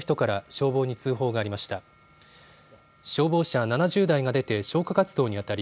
消防車７０台が出て消火活動にあたり